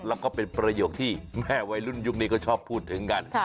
แล้วก็เป็นประโยคที่แม่วัยรุ่นยุคนี้ก็ชอบพูดถึงกัน